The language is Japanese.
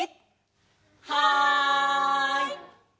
はい！